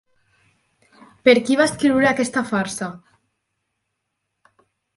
Per qui va escriure aquesta farsa?